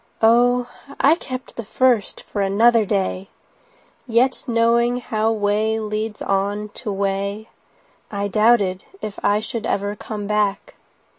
Oh, I kept the first for another day! Yet knowing how way leads on to way,I doubted if I should ever come back.